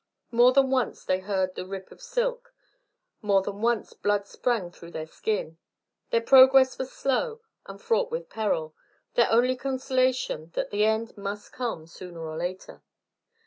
More than once they heard the rip of silk, more than once blood sprang through their skin. Their progress was slow and fraught with peril, their only consolation that the end must come sooner or later.